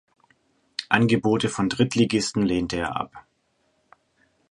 Angebote von Drittligisten lehnte er ab.